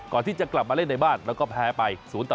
ก่อนที่จะกลับมาเล่นในบ้านแล้วก็แพ้ไป๐ต่อ๑